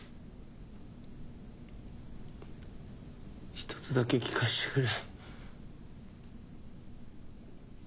一つだけ聞かせてくれ。